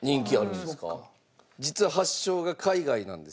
実は発祥が海外なんです。